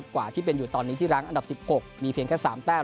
กว่าที่เป็นอยู่ตอนนี้ที่รั้งอันดับ๑๖มีเพียงแค่๓แต้ม